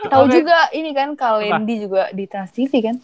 tahu juga ini kan kak wenddi juga di transtv kan